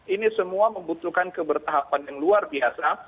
ini semua membutuhkan kebertahapan yang luar biasa